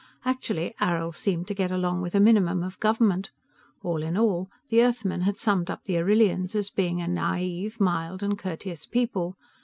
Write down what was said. Actually, Arrill seemed to get along with a minimum of government. All in all, the Earthmen had summed up the Arrillians as being a naive, mild, and courteous people.